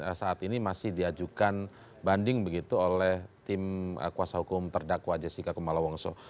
dan memang saat ini masih diajukan banding begitu oleh tim kuasa hukum terdakwa jessica kumala wongso